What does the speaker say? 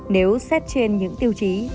nếu xét trên những tiêu chí